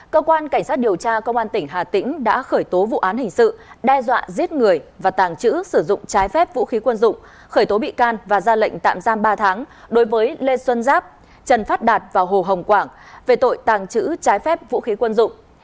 cơ quan cảnh sát điều tra công an tỉnh hà tĩnh đã khởi tố vụ án hình sự đe dọa giết người và tàng trữ sử dụng trái phép vũ khí quân dụng khởi tố bị can và ra lệnh tạm giam ba tháng đối với lê xuân giáp trần phát đạt và hồ hồng quảng về tội tàng trữ trái phép vũ khí quân dụng